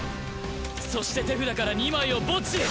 そして手札から２枚を墓地へ。